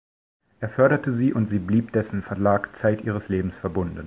Er förderte sie und sie blieb dessen Verlag zeit ihres Lebens verbunden.